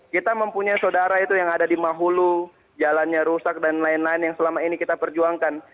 kita mempunyai saudara itu yang ada di mahulu jalannya rusak dan lain lain yang selama ini kita perjuangkan